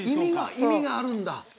意味があるんだ。